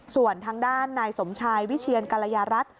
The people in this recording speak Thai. ส่วนทางด้านนายสมชายวิเชียนกรยารัฐ